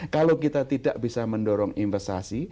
kalau kita tidak bisa mendorong investasi